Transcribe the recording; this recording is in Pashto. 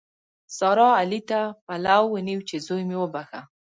سارا؛ علي ته پلو ونیو چې زوی مې وبښه.